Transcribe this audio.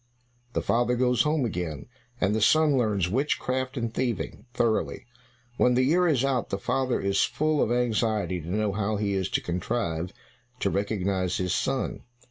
The father goes home again, and the son learns witchcraft and thieving, thoroughly. When the year is out, the father is full of anxiety to know how he is to contrive to recognize his son.